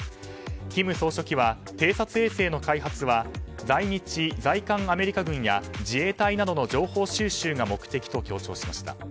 金総書記は、偵察衛星の開発は在日・在韓アメリカ軍や自衛隊などの情報収集が目的と強調しました。